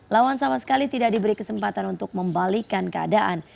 lawan sama sekali tidak diberi kesempatan untuk membalikan keadaan